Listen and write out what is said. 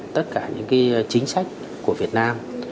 tất cả những chính sách của việt nam